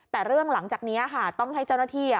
แต่เรื่องหลังจากนี้ค่ะต้องให้เจ้าหน้าที่